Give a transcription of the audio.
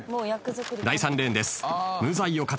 第３レーンです。